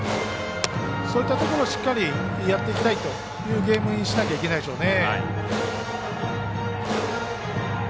そういったところをしっかりやっていきたいというゲームにしなきゃいけないでしょうね。